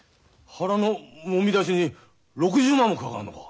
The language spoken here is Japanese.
腹のもみ出しに６０万もかかるのか。